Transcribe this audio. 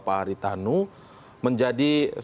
pak haritanu menjadi